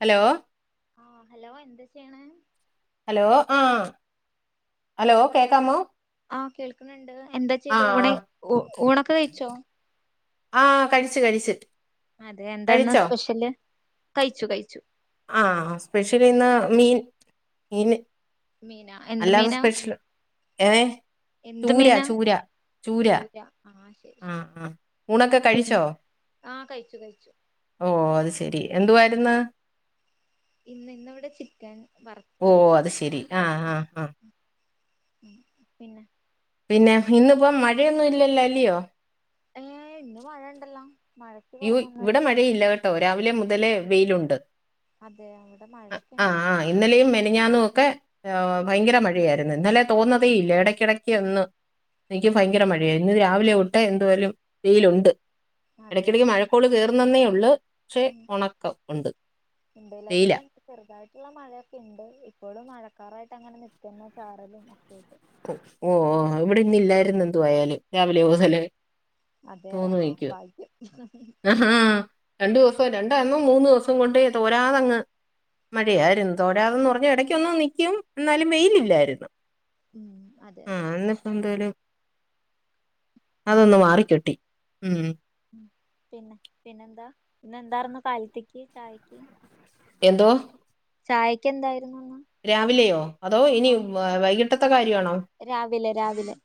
Hello ആ hello എന്താ ചെയ്യണേ? ഹലോ ആഹ് ഹലോ കേക്കാമോ? ആഹ് കേൾക്ക്ണ്ട്ണ്ട് എന്താ ആ ചെയ്ത് ഊണ് ഉ ഊണൊക്കെ കയിച്ചോ? ആ കഴിച്ചു കഴിച്ചു അതെ എന്താന്ന് കഴിച്ചോ സ്പെഷ്യെല് കയിച്ചു കയിച്ചു ആഹ് സ്പെഷ്യെലിന്ന് മീൻ മീന് മീന എന്ത് മീന? ഏ എന്ത് ചൂര മീനാ? ചൂര ചൂര ആ ശെരി ആ ശെരി ആ ഊണൊക്കെ പിന്നെ കഴിച്ചോ ആഹ് കയ്ച്ചു കയ്ച്ചു ഓ അത് ശരി എന്തുവാരുന്ന്? ഇന്ന് ഇന്നിവിടെ ചിക്കൻ വറ ഓ അത് ശരി ആ ആ ആ പിന്നെ പിന്നെ ഇന്നിപ്പം മഴയൊന്നും ഇല്ലല്ലോ അല്ലിയോ? ഏഹ് ഇന്ന് മഴണ്ടല്ലോ ഇവോയ് ഇവിടെ മഴയില്ല കെ ട്ടോ രാവിലെ മുതലേ വെയിലുണ്ട് അതെ അവിടെ ആഹ് മഴൊക്കെ ഉണ്ട് ആഹ് അയ് ഇന്നലെ മിനിഞ്ഞാന്നും ഒക്കെ ഭയങ്കര മഴയായിരുന്നു ഇന്നലെ തോർന്നതേ ഇല്ല എടക്കടക്ക് ഒന്ന് നിക്ക് ഭയങ്കര മഴയായി ഇന്ന് രാവിലെ ഒട്ട് എന്തോലും വെയിലുണ്ട് അതെ എടയ്ക്കടയ്ക്ക് മഴക്കോള് കെറുന്നന്നെ ഒള്ള് ഉം വെയിലാ ഇല്ലല്ലബടെ ചെറുതായിട്ടുള്ള മഴയൊക്കെ ഇണ്ട് ഇപ്പോളും മഴക്കാറായിട്ട് അങ്ങനെ നിക്കന്നെ ചാറലും ഒക്കെആയിട്ട് ഓഹ് ഓ ഇവിടെ ഇന്ന് ഇല്ലായിര്ന്ന് എന്തുവായാലും രാവിലെ മുതലേ അതെ ആഹ് ഭാഗ്യം ആഹാ രണ്ടുസം രണ്ടാന്നും മൂന്ന് ദിവസം കൊണ്ട് തോരാതങ്ങ് മഴെ അയിരുന്നു തോരാ തന്ന് പറഞ്ഞ് ഇടയ്ക്കൊന്നു നിൽക്കും ഇ ന്നാലും വെയിലി ല്ലായിരുന്നു. ഉം അതെ അതെ ആഹ് ഇന്നിപ്പോ എന്താലും അതൊന്ന് പിന്നെ മാറിക്കിട്ടി ഉം. പിന്നെ പിന്നെന്താ ഇന്ന് എന്താർന്ന് കാലത്തേക്ക് ചായക്ക് എന്തോ ചായക്ക് എന്തായിരുന്നുന്ന് രാവിലെയോ അതോ ഇനിയും വൈകിട്ടത്തെ കാര്യണോ? രാവിലെ രാവിലെ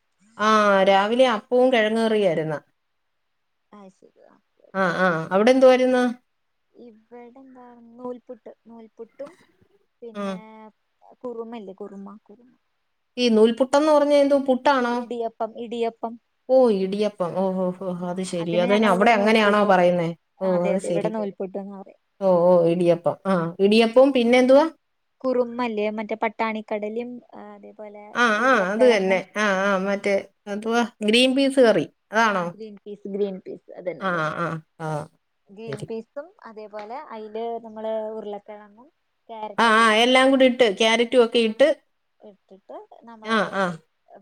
ആഹ് രാവിലെ അപ്പോം കെഴങ്ങ് കറിആയിര്ന്ന് അയ് ശരി ഓക്കെ ആഹ് ആഹ് അവിടെ എന്തു ആയിരുന്നു ഇവിടെ എന്താ നൂൽപുട്ട് നൂൽപുട്ടും ആ പിന്നെ കുറുമയില്ലേ കുറുമ കുറു ഈ നൂൽപുട്ടന്ന് പറഞ്ഞ എന്താ പുട് ഇടിയപ്പം ഇടിയപ്പം ഓഹ് ഇടിയപ്പം ഓ ഓ ഓ ഒഹ് ആ അത് ശെരി അതിന് അതിനെ അവിടെ ഞങ്ങളിവിടെ അങ്ങനെയാണോ നൂൽപുട്ട് പറയുന്നേ ഓ ആ, അതെ അത് അതെ ശെ ഇവിടെ നൂൽ പുട്ടെന്ന പറയാ ഓഹ് ഓ ഇടിയപ്പം ആഹ് ഇടിയപ്പോം പിന്നെ എന്തുവാ കുറുമല്ലേ മറ്റേ പട്ടാണിക്കടലിം അതേപോലെ ഉരുളക്കെഴങ്ങും ആഹ് ആഹ് മറ്റേ എന്തു വാ ഗ്രീൻ പീസ് കറി ആഹ് ഗ്രീൻ പീസ് ഗ്രീൻ പീസ് ആഹ് ആഹ് അ ഗ്രീൻപീസും അതേപോലെ അയില് നമ്മള് ഉരുളക്കെ ഴങ്ങും ആഹ് ആഹ് എല്ലാം കൂടി ഇട്ട് ക്യാരറ്റും ഒക്കെ ഇട്ട് ഇട്ടിട്ട് ആ നമ്മള് ആ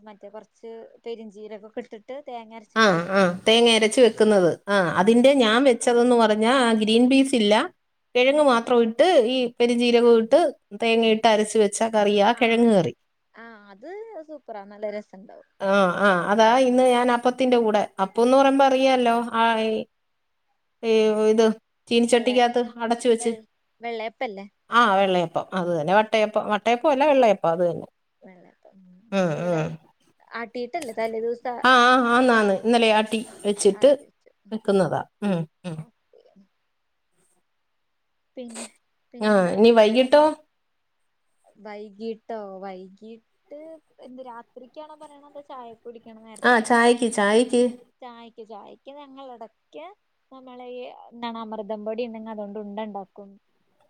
മറ്റേ കോറച്ച് പെരിഞ്ചീരകൊക്കെ ഇട്ടിട്ട് തേങ്ങരച് ആഹ് ആഹ് തേങ്ങ അരച്ച് വെക്കുന്നത് ആഹ് അതെ അതിന്റെ ഞാൻ വെക് ച്ചതെന്ന് പറഞ്ഞ ആ ഗ്രീൻ പീസ് ഇല്ല ഉം കെഴങ്ങ് മാത്രം ഇട്ട് ഈ പെരിംജീരകം ഇട്ട് തേങ്ങയിട്ട് അരച്ച് വെച് ച്ച കറിയ ആഹ് ആഹ് അത് സൂപ്പറാ നല്ല രസണ്ടാവും ആഹ് ആഹ് അതാ ഇന്ന് ഞാൻ അപ് പ്പത്തിന്റെ കൂടെ അപ്പോന്ന് പറയുമ്പോ അറിയാല്ലോ ആഹ് ഇ ഇത് വെള്ള ചീനച്ചട്ടിക്കകത്ത് അടച് വെ വെച്ച് വെള്ളയപ്പല്ലേ ആഹ് വെള്ളയപ്പം അത് തന്നെ വട്ടയപ്പം വട്ടയപ്പം അല്ല വെള്ളയപ്പം അത് തന്നെ വെള്ളപ്പം ഉം ഞങ്ങളിവിടെ ഉം ആട്ടിട്ടല്ലേ തലെ ദിവസം ആ ആഹ് ന്നാന്ന് ഇന്നലെ ആട്ടി വെച്ചിട്ട് ആട്ടി വെച്ചു ഉം വെക്കുന്നതാ ഉം ഉം ഓക്കെ പിന്നെ ആഹ് പിന്നെന്താ ഇനി വൈയ്യിട്ടോ വൈകീട്ടോ വൈകീട്ട് ഇന്ന് രാത്രിക്കണോ പറയുണത് ചായ ആഹ് ചായക്ക് ചായക്ക് ചായക്ക് ചായക്ക് ഞങ്ങൾ ഇടയ്ക്ക് നമ്മളെ ഈ ന്നാണ് അമൃതം പൊടി ഉണ്ടെങ്ക അതുകൊണ്ട് ഉണ്ടണ്ടാക്കും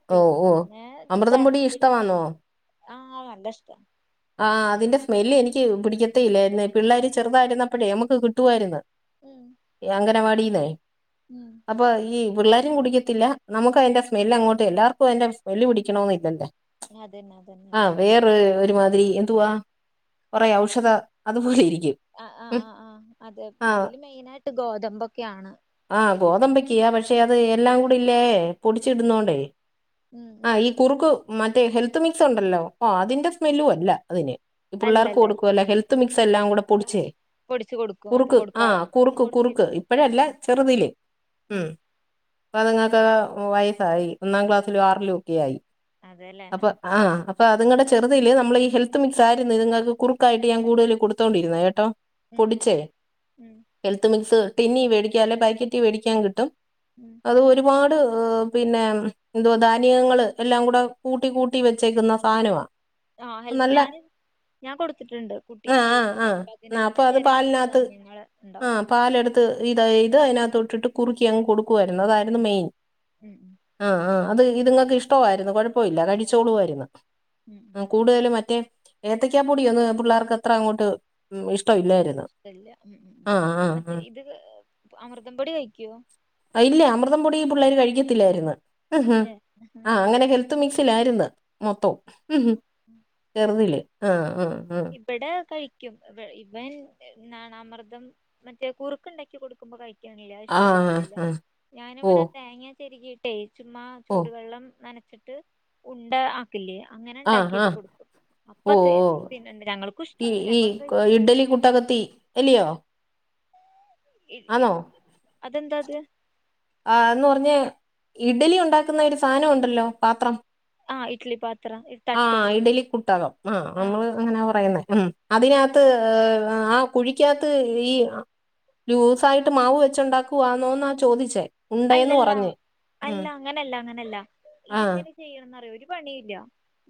പിന്നെ ബാക്കറി അന്നോ ആഹ് നല്ല ഇഷ്ടാ ആഹ് അതിന്റെ സ്മെല്ല് എനിക്ക് പിടിക്കത്ത ഇല്ലായിരുന്നു പിള്ളേര് ചെറുതായിരുന്നപ്പോഴേ നമുക്ക് കിട്ടുആയിരുന്നു [unintelligible] ഇ അംഗനവാടിന്നേ ങ്ങാ അപ്പൊ ഈ പിള്ളേരും കുടിക്കത്തില്ല നമുക്ക് അതിന്റെ സ്മെല് അങ്ങോട്ട് എല്ലാർക്കും അതിന്റെ സ്മെല് പിടിക്കണോന്ന് ഇല്ലല്ലേ അതന്നെ അതന്നെ ഇഷ്ടപ്പെട്ല്ല്യ ഈ എന്തുവാ കൊറെ ഔഷധ അതുപോലെ ഇരിക്കും ആ ആ ഉം, ആ ആ് അതെ ആ അതില് മെയിനായിട്ട് ഗോതമ്പൊക്കെയാണ് ആ ഇൻഗ്രീഡിയൻ ഗോതമ്പയ്ക്ക് പക്ഷെ അത് എല്ലാം കൂടില്ലേ പൊടിച്ചടുന്നോണ്ടേ ഉം ആ ഉം ഈ കുറുക്ക് മറ്റേ ഹെൽത്ത് മിക്സ് ഉണ്ടല്ലോ അതിന്റെ സ്മെല്ലും അല്ല അതിന് പുള്ളേർക്ക് അല്ലല്ല അല്ല. കൊടുക്കുവല്ല ഹെൽത്ത് മിക്സ് എല്ലാം കൂടെ പൊടിച്ചേ പൊടിച്ചു കൊടുക്കും അത് കുറുക്ക് കൊടുക്കാ ആഹ് കുറുക്ക് കുറുക്ക് കൊടുത്തിരുന്നു ഇപ്പഴല്ല ആഹ് ചെറുതില് ഉം പ്പ അതുങ്ങൾക്ക് വയസ്സായി ഒന്നാം ക്ലാസ്സിലും ആറിലും ഒക്കെ ആയി അതെല്ലേ ആ. അപ്പൊ ആഹ് അപ്പൊ അതുങ്ങളടെ ചെറുതില് നമ്മൾ ഈ ഹെൽത്ത് മിക്സ് ആയിരുന്നു ഇത്ങ്ങക്ക് കുറുക്കായിട്ട് ഞാൻ കൂടുതൽ കൊടുത്തോണ്ടിരുന്നേ കേട്ടോ ഉം പൊടിച്ച് ഉം ഹെൽത്ത് മിക്സ് ടിന്നി വേ ടിക്കാ അല്ലെ പാക്കറ്റ് വേടിക്കാൻ കിട്ടും [inaudible] അത് ഒരുപാട് പിന്നെ എന്തുവാ ധാനി യങ്ങൾ എല്ലാം കൂടെ കൂട്ടി കൂട്ടി വെച്ചേക്കുന്ന സാനവാ ആഹ് ഹെൽ ഞാന് ഞാൻ കൊടുത്തിട്ടുണ്ട് ആ കുട്ടിക്ക് ആ ആ ആ അപ്പൊ പതിനഞ്ച് അത് തരം പാലിനകത്ത് ധാന്യങ്ങള് ആ ഉണ്ടാവും പാലെടുത്ത് ഇത് ഇത് അതിനകത്ത് ഇട്ടിട്ട് കുറുക്കി അങ്ങ് കൊടുക്കുവായിരുന്നു അതായിരുന്നു മെയിൻ ഉം ഉം ആഹ് ആഹ് അത് ഇതുങ്ങൾക്ക് ഇഷ്ടവമായിരുന്നു കുഴപ്പല്ല കഴിച്ചോളുയിരുന്നു ഉം ഉം ആ ഉം കൂടുതല് പ റ്റേ ഏത്തക്കാ പൊടിയങ് പിള്ളേർക്ക് എത്ര അങ്ങോട്ട് ഇഷ്ടല്ലായിര്ന്ന് ഇല്ല ല്ല ഉ മറ്റേ ഇത് അമൃതം പൊടി കഴിക്കോ ഇല്ല അമൃതം പൊടി ഈ പിള്ളേർ കഴിക്കത്തില്ലായിരുന്നു ഉം അതെ ആഹാ. ആ അങ്ങനെക്കെ ത്ത് മിക്സിലാര്ന്ന് മൊത്തം മ് ഹ് [inaudible] ചെറ്തില്ലേ ആഹ് ആഹ് ആഹ് ഇവിടെ കഴിക്കും ഇവ ഇവൻ എന്നാണ് അമർദ്ദം മറ്റേ കുറുക്ക ഉണ്ടാക്കി കൊടുക്കുമ്പോ കഴിക്കും ക്കറിയി ല്ല ആഹ് ഇഷ്ടപ്പെട്ടില്ല ആഹ് ഞാനിവിടെ ഓഹ് തേങ്ങാ ചെരകീട്ട് ട്ടേയ് ചുമ്മാ ഓഹ് ചൂടുവെള്ളം നനച്ചിട്ട് ഉണ്ട ആക്കില്ലേ അങ്ങനെ ആഹ് ഉണ്ടാക്കിട്ട് ആഹ് കൊടുക്കും ഓഹ് അപ്പതേ ഓഹ് ഈ ഈ ഇഡ്ഡലി കുട്ടകത്തി ഇല്യോ ഇല് ഇല് അതെന്താ അത് ആഹ് ന്ന് പറഞ്ഞ ഇഡ്ലി ഉണ്ടാക്കുന്ന ഒരു സാധനം ഉണ്ടല്ലോ പാത്രം ആ ഇഡ്ലി പത്രം ഇട് ആ ഇഡലിക്കുട്ടകം ആ് നമ്മള് അങ്ങനാ പറയുന്നേ ഉ ആ അതിനകത്ത് ആ കുഴിക്കാത്ത് ഈ ലൂസായിട്ട് മാവ് ഒഴിച്ചുണ്ടാക്കുവാന്നോന്നാ ചോദിച്ചേ ഉണ്ടേന്ന് അല്ലല്ല പറഞ്ഞ് അല്ല ഉം അങ്ങനല്ല അങ്ങനല്ല ആഹ് ഇത്ങ്ങനെ ചെയ്യണന്നറിയോ ഒരു പണിയില്ല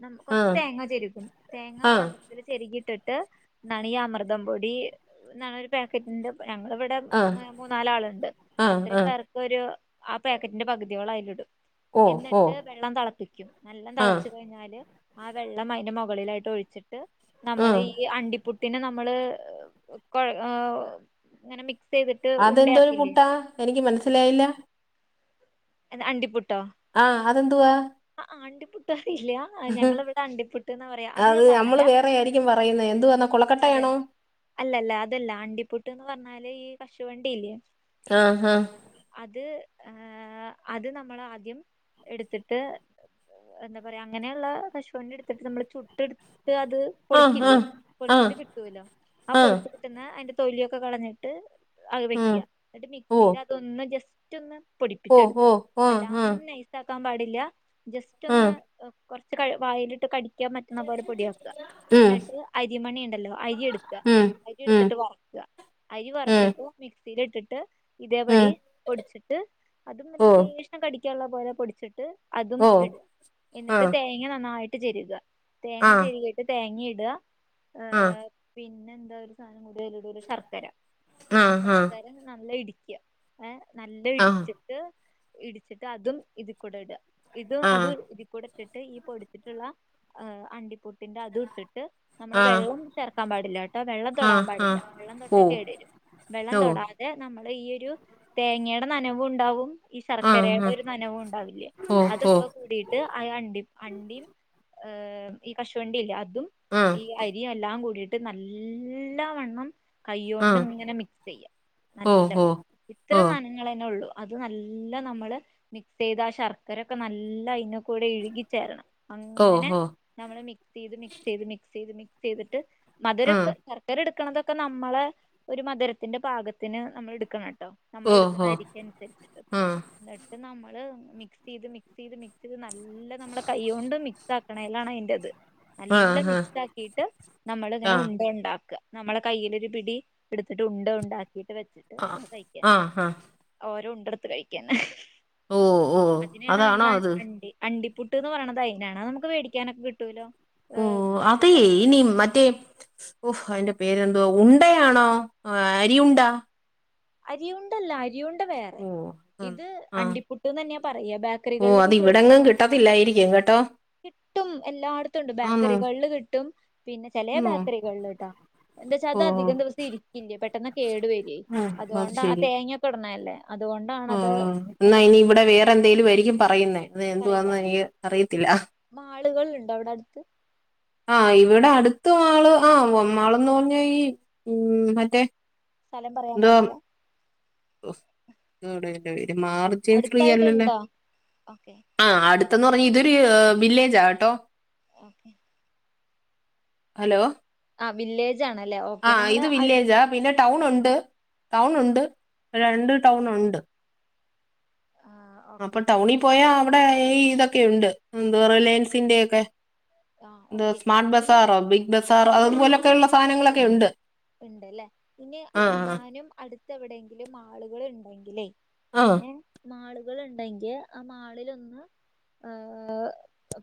നമക് കുറച്ച് ആഹ് തേങ്ങ ചെരുകും തേങ്ങാ പാ ആഹ് ചെരികി ഇട്ടിട്ട് ന്നണി ഈ അമൃതം പൊടി എന്ന ഒരു പാക്കറ്റിന്റെ ഞങ്ങൾ ഇവിടെ ആഹ് ന്ന് മൂന്നാലാളുണ്ട് ആഹ് അത്രയും ആഹ് പേർക്ക് ഒരു ആ പാക്കറ്റിന്റെ പകുതിയോളം അയിലിടും ഓ ഓ എന്നിട്ട് വെള്ളം തളപ്പിക്കും നല്ലം ആഹ് തളച്ചു കഴിഞ്ഞാല് ആ വെള്ളം അതിന്റെ മുകളിലായിട്ട് ഒഴിച്ചിട്ട് നമ്മള് ആഹ് ഈ അണ്ടിപ്പുട്ടിന് നമ്മള് ക്കൊഴ് ആ ഇങ്ങനെ മിക്സെയ്തിട്ട് അതെന്തോരു ഉണ്ടയാക്കില്ലേ? പുട്ടാ എനിക്ക് മനസ്സിലായില്ല. എത് അണ്ടിപുട്ടോ? ആഹ് അതെന്തുവാ? അആ അണ്ടിപുട്ട് അറിയില്ലേ.. ആഹ് ഞങ്ങള്‌വ്ടെ അണ്ടിപുട്ട് ന്ന പറയാ അത് ഞാൻ നമ്മള് പർഞ്ഞരാ. വേറെ ആയിരിക്കും പറയുന്നേ എന്തു വ അതെ അല്ലല്ല അതല്ല അണ്ടിപുട്ട് ന്ന് പർഞ്ഞാല് ഈ കശുവണ്ടിയില്ലേ? ആഹ് ഹാ.. അത് ഏഹ് അത് നമ്മളാദ്യം എടുത്തിട്ട് എന്താ പറയാ അങ്ങനെയുള്ള കശുവണ്ടിയെടുത്തിട്ട് നമ്മള് ചുട്ടെടുത്ത് അത് ആഹ് പൊളിക്കില്ലേ ആഹ് ആഹ് പൊളിച്ചിട്ട് കിട്ടൂലോ. ആ ആഹ് ആഹ് പൊളിച്ച് കിട്ടുന്ന അയ്ന്റെ തൊലിയൊക്കെ കളഞ്ഞിട്ട് അഅ് വെക്ക. ഉം ന്നിട്ട് ഓ മിക്സിയിൽ അതൊന്ന് ജസ്‌റ്റൊന്ന് ഓ പൊടിപ്പിച്ചെടുക്ക. ഓ ആഹ് ആഹ് വല്ലാണ്ട് നൈസ് ക്കാൻ പാടില്ല. ആഹ് ജസ്‌റ്റൊന്ന് കൊർച്ച് വായിലിട്ട് കടി ക്കാൻ പറ്റുന്ന പോലെ പൊടിയാക്ക. ഉം എന്നിട്ട് അരിമണിണ്ടല്ലോ. അരിയെടുക്ക ഉം അരി ഉം എടുത്തിട്ട് വറ്ക്ക. അരി ഉം വറുത്തിട്ട് മിക്സീലിട്ടിട്ട് ഇതേപടി ഉം പൊടിച്ചിട്ട് ഓ അതുംമെല്ലെ ലേഷം കടിക്കാള്ള പോലെ പൊടിച്ചിട്ട് അതും ഓ ഇട.. ആ എന്നിട്ട് തേങ്ങ നന്നായിട്ട് ചെര്ക തേങ്ങ ആ ചെരികി ട്ട് തേങ്ങീടാ.. ആ ആഹ് പിന്നെന്താ ഒരു സാനം കൂടി അയലിടൂലെ ശർക്കര ആ ആ ശർക്ക തൻ നല്ല ഇടിക്യ. ഏഹ് നല്ല ആ ഇടിച്ച് ട്ട് ഇടിച്ചിട്ട് അതും ഇതിക്കൂടെ ഇട. ഇത് ആ അത് ഇതിക്കൂടെ ഇട്ടിട്ട് ഈ പൊടിച്ചിട്ടുള്ള ആഹ് അണ്ടിപുട്ടിന്റെ അതുട്ടിട്ട് നമ്മള് ആ വെള്ളം ചേർക്കാൻ പാടില്ലാട്ടോ. വെള്ളം ആ തൊടാൻ ആ പാടില്ല. വെള്ളം തൊട്ടാ ഓ കേടെരും. വെള്ളം ഓ തൊടാ ഏ നമ്മളെ ഈ ഒരു തേങ്ങേടെ നനവുണ്ടാവും ഈ ആ ശർക്കരയുടെ ആ ഒരു നനവുണ്ടാവില്ലേ ഓ ഓ അതൊക്കെ കൂടീ ട്ട് അയ അണ്ടിം അണ്ടിം ഏഹ് ഈ കശുവണ്ടില്ലേ അതും ആ ഈ അരിയും എല്ലാ കൂടീട്ട് നല്ല വണ്ണം ആ കൈയ്യോണ്ട്ങ്ങനെ മിക്സെയ്യാ ഓ നല്ലം ഓ ഇത്ര ഓ നന ങ്ങളന്നൊള്ളു. അത് നല്ല നമ്മള് മിക്സെയ്ത ആ ശർക്കരൊക്കെ നല്ല അയിനകൂടെ ഇഴുകിച്ചേരണം. ഓ അങ്ങനെ ഓ നമ്മള് മിക്സെയ്ത് മിക്സെയ്ത് മിക്സെയ്ത് മിക് സെയ്തിട്ട് ആ മധുരൊക്കെ കറ ധരെടുക്കണതൊക്കെ നമ്മള് ഒരു മധുരത്തിന്റെ പാകത്തിന് നമ്മൾ എടുക്കണട്ടോ. ഓ ഓ നമ്മളെടുക്കുന്നരിക്കനുസരിച്ചിട്ട് ആ ന്നിട്ട് നമ്മള് മിക്സെയ്ത് മിക്സെയ്ത് മിക് ത് നല്ല നമ്മെട കൈയ്യോണ്ട് മിക്സാക്ക് ണേലാണയ്ൻ്റെത്. ആ നല്ല മിക് സാക്കീട്ട് ആ നമ്മളിങ്ങനെ ആ ഉണ്ടയുണ്ടാക്ക. നമ്മളെ കൈയ്യിലൊരു പിടി എടുത്തിട്ട് ഉണ്ട ഉണ്ടാക്കിട്ട് വെച്ചിട്ട് ആ ആ അത്കയ്കന്നെ. ആ ഓരോ ഉണ്ടെടുത്ത് കഴിക്കന്നെ. ഓ ഓ അതി അതാണോ നേണാമ്മള് അത് അണ്ടി അണ്ടി പു ട്ട് പറയണതയ്നാണ്. അതമ്മക്ക് വേടിക്കാനൊക്കെ കിട്ടൂലോ. ഓ ഏഹ് മറ്റേ അതെ ബേക്കറി ഇനി മറ്റേ ഓഹ് അതിന്റെ പേരെന്തുവ ഉണ്ടയാണോ അരി ഉണ്ട? അരിയുണ്ടല്ലാ അരിയുൺ ണ്ട വേറെ ഓ അതാ ഇത് ആ അണ്ടിപുട്ട്ന്നന്നെ പറയ ബേക്കറികളിൽ പോയി ചോ വ്ടെങ്ങും കിട്ടത്തില്ലായിരിക്കും കേട്ടോ. കിട്ടും. എല്ലാട്ത്തുണ്ട്. ആന്നോ ബേക്കറികൾല് കിട്ടും. പിന്നെ ചെലേ ആന്നോ ബേക്കറികൾല്ട്ടാ. എന്തേച്ചാ ഓ അത് ഓ അധികം ദിവസം ഇരിക്കില്ല. പെട്ടെന്ന് കേടു വര്വേയ് ഓ, അതോണ്ട ആ തേങ്ങകിട്ണല്ലേ അതുകൊണ്ടാ ഉഹ് ഉഹ് ഇന്നായ്ന് ഇവിടെ വേറെന്തേലുവായിരിക്കും പറയുന്നേ അത് എന്തുവാന്ന് എനിക്ക് അറിയത്തില്ല. അഹ് മാള്കള്ണ്ടോ അവ്ടടുത്ത്? ആഹ് ഇവിടെ അടുത്ത് മാള്. ആഹ് ഷോപ്പ് മാളെന്ന് പറഞ്ഞാ ഈ മ് മറ്റേ സ്ഥലം പറയാം പാടില്ല. [unintelligible] ഒരു മാർജിൻ ഫ്രീയല്ലല്ലേ? അടുത്തായിട്ടുണ്ടോ ഓക്കെ അഹ് അടുത്തന്ന് പറഞ്ഞാ ഇതൊരു വില്ലേജാ കേട്ടോ. ഓക്കെ. ഹലോ? ആഹ് വില്ലേജാണല്ലേ? ഓക്കെ നമ്മളെ അടു ടൗണുണ്ട് ടൗണുണ്ട് രണ്ട് ടൗണുണ്ട്. ആഹാ അപ്പൊ ടൗണിപോയാ അവ്ടെ ഈ ഇതൊക്കെയുണ്ട് എന്തപറയാ ലെൻസിന്റെയൊക്കെ. ആ എന്ത് ഓക്കെ സ്മാർട്ട് ഇനി ബസാറോ, ബിഗ് ബസാറോ അതുപോലെയൊക്കെയുഉള്ള സാധനങ്ങളൊക്കെയുണ്ട്. ഉണ്ട്ല്ലേ ഇനി അങ്ങാനും അടുത്ത് എവിടെയെങ്കിലും മാള്കൾ ഉണ്ടെങ്കിലേ. ഹാ ഏഹേ മാളുകള്ണ്ടെങ്കി ആ മാളിലൊന്ന്. ഏഹ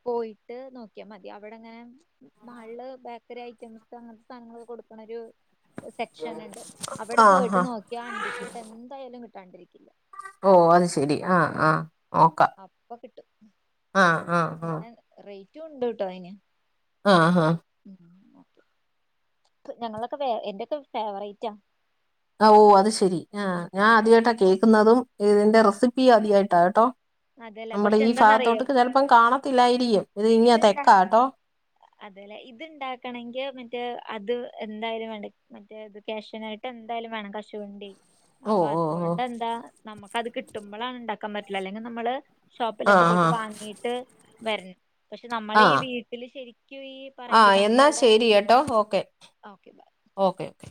പോയിട്ട് നോക്കിയാ മതി. അവിടെങ്ങനെ- മള്ള് ബേക്കറി ഐറ്റംസ് അങ്ങനത്തെ സാധങ്ങളൊക്കെ കൊടുക്കണരു. ഒര്സെക്ഷന്ണ്ട് അവിടെ ആ പോയിട്ട് ആ നോക്കിയാ അണ്ടിപ്പുട്ട് എന്തായാലും കിട്ടാണ്ടിരിക്കില്ല. ഓ അത് ശെരി ആഹ് ആ ആഹ നോക്കാം അപ്പൊ ആഹ ആഹ ആഹ റെയ്റ്റൂണ്ട് ട്ടോ അയിന്. ആഹ ആഹ ഉം ഓക്കെ. ഞങ്ങളൊക്കെ എന്റെക്കെ ഫേവറേറ്റാ ഹോ അത്ശെരി ആഹാ അണ്ടിപ്പുട്ട് ഞാനാദ്യവായിട്ടാ പിന്നെ കേക്കുന്നതും ഇതിന്റെ റെസിപ്പി ആദ്യാവായിട്ടാ കേട്ടോ. അതല്ല നമ്മുടെ പക്ഷെ ഈ എന്താന്നറിയോ ഫാഗത്തോട്ട്ക്ക് ചെലപ്പം കാണത്തില്ലായിരിക്കും. ഇത് ഇങ്ങ് തെക്കാട്ടോ? അതേല്ലെ ഇത്ണ്ടാക്കണെങ്കി മറ്റേ അത് എന്തായാലും വേണ്ടി മറ്റേയിത് കേഷ്യനെട്ട്. ഇക്കെന്തായാലും വേണം കശുവണ്ടി. ഓ അപ്പൊ ഓ ഓ അതുകൊണ്ട് എന്താ നമ്മുക്ക്ത് കിട്ടുമ്പോളാണ് ഉണ്ടാക്കാൻ പറ്റില്ല അല്ലെങ്കിൽ നമ്മള്. ആ ഷോപ്പിലൊക്കെ ആ പോയിട്ട് വാങ്ങിട്ട് വെര്ണം. പക്ഷെ നമ്മളീ വീട്ടില് കെരിക്കു ഈ ആഹാ എന്നാ പറങ്കിമത്തയുടെ ശെരിയേട്ടോ okay okay bye okay okay.